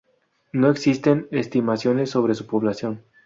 No existen estimaciones sobre su población.